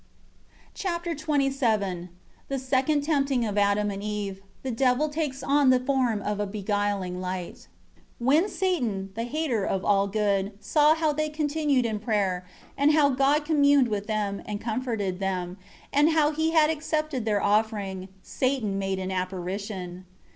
Chapter XXVII The second tempting of Adam and Eve. The devil takes on the form of a beguiling light. 1 When Satan, the hater of all good, saw how they continued in prayer, and how God communed with them, and comforted them, and how He had accepted their offering Satan made an apparition.